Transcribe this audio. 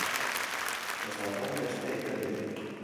Ez daukagu beste irtenbiderik.